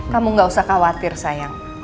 kamu gak usah khawatir sayang